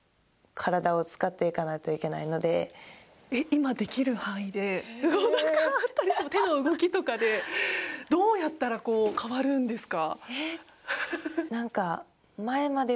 今できる範囲で手の動きとかでどうやったら変わるんですか？